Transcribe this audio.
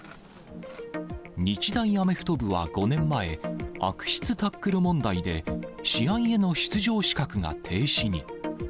日大アメフト部は５年前、悪質タックル問題で試合への出場資格が停止に。